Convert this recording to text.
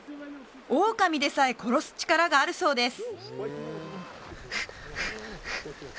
オオカミでさえ殺す力があるそうです